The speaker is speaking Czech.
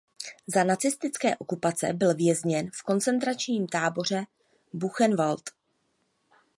Za nacistické okupace byl vězněn v koncentračním táboře Buchenwald.